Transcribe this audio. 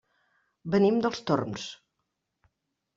Venim dels Torms.